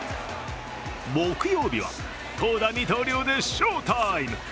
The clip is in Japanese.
木曜日は投打二刀流で翔タイム。